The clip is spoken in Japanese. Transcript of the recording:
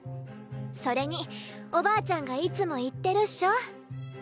それにおばあちゃんがいつも言ってるっしょ？